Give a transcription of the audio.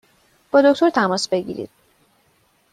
با دکتر تماس بگیرید!